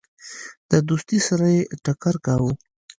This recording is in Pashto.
د دوستی سره یې ټکر کاوه.